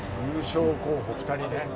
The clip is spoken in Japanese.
優勝候補２人ね。